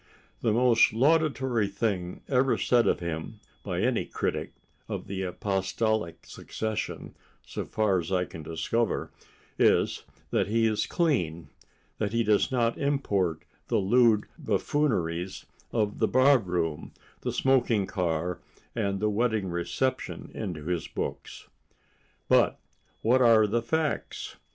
The most laudatory thing ever said of him by any critic of the apostolic succession, so far as I can discover, is that he is clean—that he does not import the lewd buffooneries of the barroom, the smoking car and the wedding reception into his books.... But what are the facts?